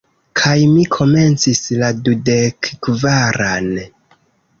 Kaj mi komencis la dudekkvaran.